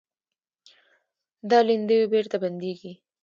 دا لیندیو بېرته بندېږي.